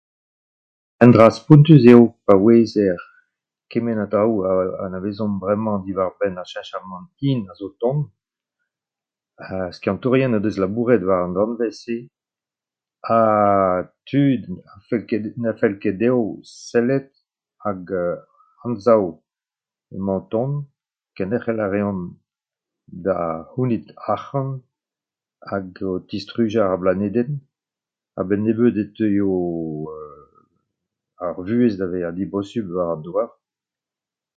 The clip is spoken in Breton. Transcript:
Un dra spontus eo pa ouezer kement a draoù a anavezomp bremañ diwar-benn ar cheñchamant hin a zo o tont, ha skiantourien o deus labouret war an danvez-se aaa tud na fell ket dezho sellet, hag anzav emañ o tont, kenderc'hel a reont da c'hounit arc'hant hag o tistrujañ ar blanedenn. A-benn nebeut e teuio ar vuhez da vezañ dibosupl war an douar.